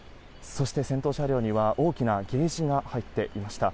そして、先頭車両には大きなケージが入っていました。